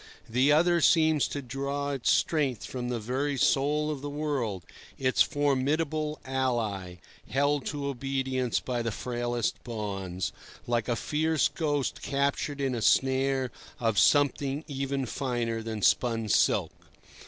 The other seems to draw its strength from the very soul of the world, its formidable ally, held to obedience by the frailest bonds, like a fierce ghost captured in a snare of something even finer than spun silk.